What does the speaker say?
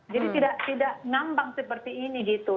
jadi tidak ngambang seperti ini gitu